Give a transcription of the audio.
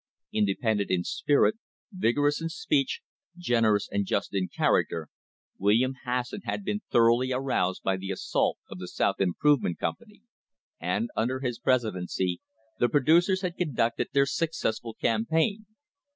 Independent in spirit, vigorous in speech, generous and just in character, William Hasson had been thoroughly aroused by the assault of the South Improvement Company, and under his presi dency the producers had conducted their successful campaign.